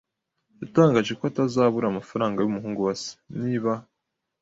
Yatangaje ko atazabura amafaranga y'umuhungu wa se; “Niba